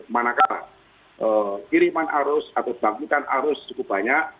manakala kiriman arus atau bangkitan arus cukup banyak